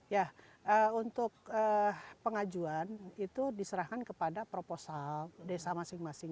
ya untuk pengajuan itu diserahkan kepada proposal desa masing masing